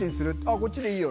こっちでいいよ」。